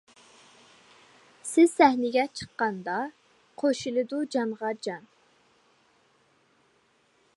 سىز سەھنىگە چىققاندا، قوشۇلىدۇ جانغا جان.